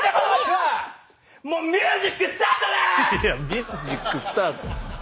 ミュージックスタート？